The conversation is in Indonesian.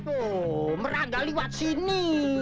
oh meragak liwat sini